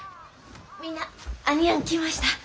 みんな兄やん来ました。